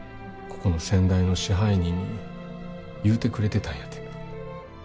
ここの先代の支配人に言うてくれてたんやて。